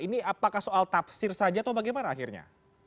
ini apakah soal tafsir saja atau bagaimana akhirnya